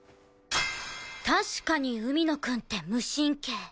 確かに海野くんって無神経。